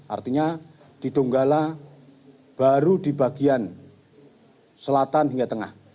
artinya di donggala baru di bagian selatan hingga tengah